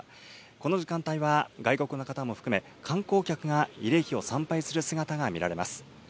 この時間帯は外国の方も含め、観光客が慰霊碑を参拝する姿が見られます。